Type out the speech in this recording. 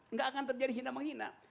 nggak akan terjadi hina menghina